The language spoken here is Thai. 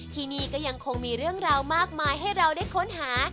ที่นี่ก็ยังคงมีเรื่องราวมากมายให้เราได้ค้นหา